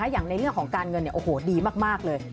อย่างในเรื่องของการเงินเนี่ยโอ้โหดีมากเลย